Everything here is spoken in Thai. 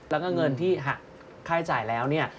แล้วก็เงินที่หักค่าใช้จ่ายแล้วเนี่ย